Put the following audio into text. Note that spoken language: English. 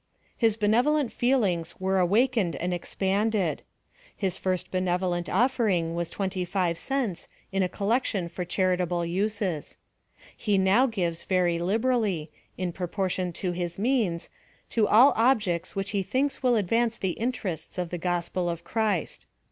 His benevolent feelings were awakened and expanded. His first benevolent oflering was twen ty five cents, in a collection for charitable uses. He now gives very liberally, in proportion to his means, to all objects which he thinks will advance the in terests of the gospel of Christ.